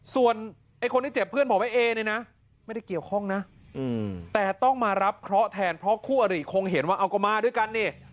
ส่วนไอ้คนที่เจ็บเพื่อนบอกว่าเอเนี่ยนะไม่ได้เกี่ยวข้องนะแต่ต้องมารับเคราะห์แทนเพราะคู่อริคงเห็นว่าเอาก็มาด้วยกันนี่